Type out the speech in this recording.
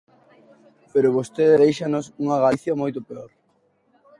Pero vostede déixanos unha Galicia moito peor.